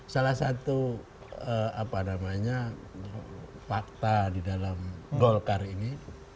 salah satu apa namanya fakta di dalam golkar ini